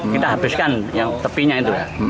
kita habiskan yang tepinya itu